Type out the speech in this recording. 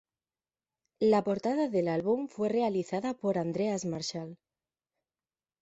La portada del álbum fue realizada por Andreas Marschall.